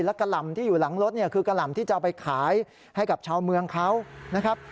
และกะหล่ำที่อยู่หลังรถเนี่ยคือกะหล่ำที่จะเอาไปขายให้กับชาวเมืองเขานะครับ